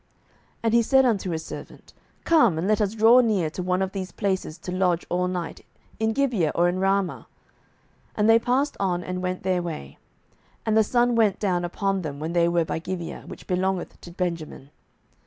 07:019:013 And he said unto his servant, Come, and let us draw near to one of these places to lodge all night, in Gibeah, or in Ramah. 07:019:014 And they passed on and went their way; and the sun went down upon them when they were by Gibeah, which belongeth to Benjamin.